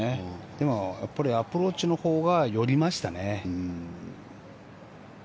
でも、アプローチのほうが寄りましたね。